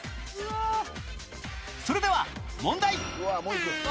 それでは問題